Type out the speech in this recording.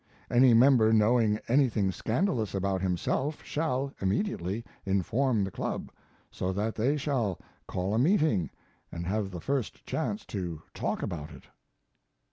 Any member knowing anything scandalous about himself shall immediately inform the club, so that they shall call a meeting and have the first chance to talk about it.